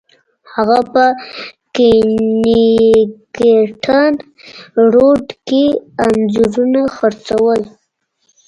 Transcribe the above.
هغه په کینینګټن روډ کې انځورونه خرڅول.